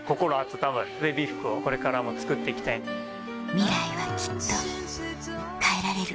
ミライはきっと変えられる